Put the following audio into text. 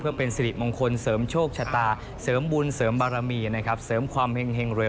เพื่อเป็นสิริมงคลเสริมโชคชะตาเสริมบุญเสริมบารมีนะครับเสริมความเห็งเร็ว